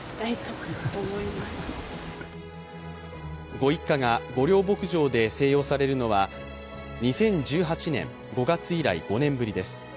ご一家が御料牧場で静養されるのは２０１８年５月以来、５年ぶりです。